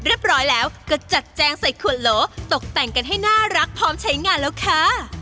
เรียบร้อยแล้วก็จัดแจงใส่ขวดโหลตกแต่งกันให้น่ารักพร้อมใช้งานแล้วค่ะ